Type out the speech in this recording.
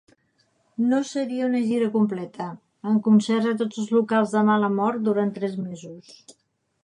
No seria una gira completa, amb concerts a tots els locals de mala mort durant tres mesos.